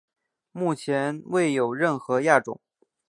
目前未有任何亚种。